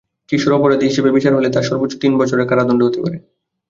কিশোর অপরাধী হিসেবে বিচার হলে তার সর্বোচ্চ তিন বছরের কারাদণ্ড হতে পারে।